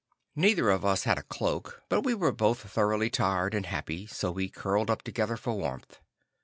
Neither of us had a cloak, but we were both thoroughly tired and happy, so we curled up together for warmth.